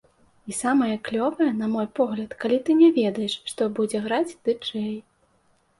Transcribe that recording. І самае клёвае, на мой погляд, калі ты не ведаеш, што будзе граць ды-джэй.